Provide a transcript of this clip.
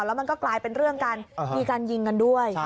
แล้วมันก็กลายเป็นเรื่องกันมีการยิงกันด้วย